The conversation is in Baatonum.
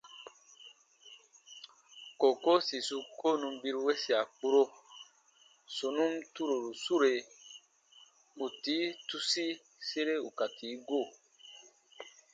Kookoo sì su koo nùn biru wesia kpuro, sù nùn turoru sure, ù tii tusi sere ù ka da ù tii go.